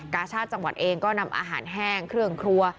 กาชาติจังหวัดเองก็นำอาหารแห้งเครื่องครัว